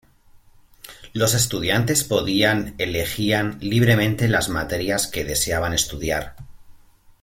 Los estudiantes podían elegían libremente las materias que deseaban estudiar.